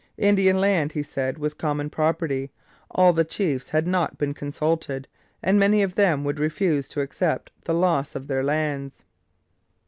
Indian land, he said, was common property; all the chiefs had not been consulted, and many of them would refuse to accept the loss of their lands.